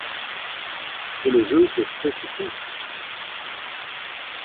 Que le jeu te fait ce coup.